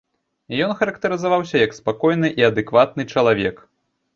Ён характарызаваўся як спакойны і адэкватны чалавек.